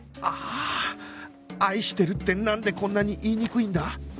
ああ「愛してる」ってなんでこんなに言いにくいんだ？